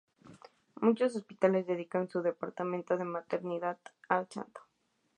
Muchos hospitales dedican su departamento de maternidad al santo.